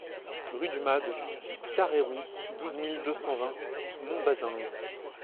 Rue du Mas de Carreyrou, douze mille deux cent vingt Montbazens